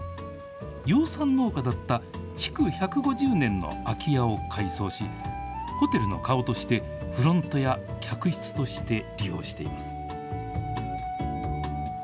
メインとなるこの建物、養蚕農家だった築１５０年の空き家を改装し、ホテルの顔として、フロントや客室として利用しています。